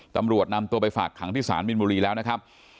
ตำรวจนำตัวไปฝากขังที่ศาลมินบุรีแล้วนะครับ